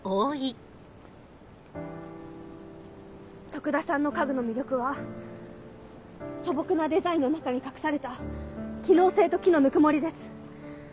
徳田さんの家具の魅力は素朴なデザインの中に隠された機能性と木のぬくもりです。